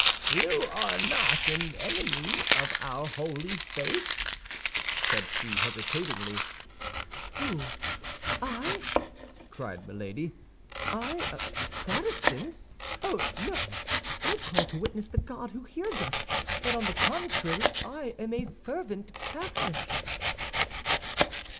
"You are not an enemy of our holy faith?" said she, hesitatingly. "Who—I?" cried Milady; "I a Protestant? Oh, no! I call to witness the God who hears us, that on the contrary I am a fervent Catholic!"